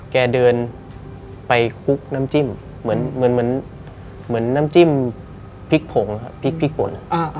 แกเดินไปคลุกน้ำจิ้มเหมือนน้ำจิ้มพริกผงครับพริกป่น